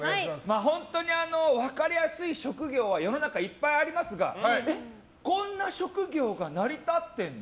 本当に分かりやすい職業は世の中いっぱいありますがえっ、こんな職業が成り立ってるの？